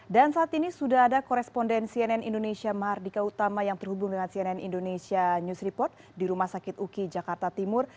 dan saat ini sudah ada koresponden cnn indonesia mahardika utama yang terhubung dengan cnn indonesia news report di rumah sakit uki jakarta timur